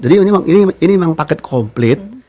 ini emang paket komplit